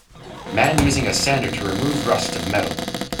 Man using a sander to remove rust of metal.